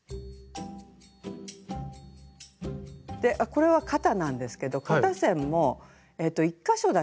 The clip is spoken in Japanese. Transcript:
これは肩なんですけど肩線も１か所だけですね